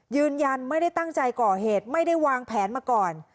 ยืนยันไม่ได้ตั้งใจก่อเหตุไม่ได้วางแผนมาก่อน